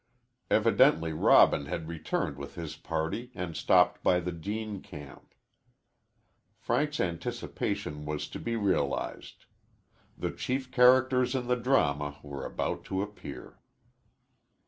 Evidently Robin had returned with his party and stopped by the Deane camp. Frank's anticipation was to be realized. The chief characters in the drama were about to appear.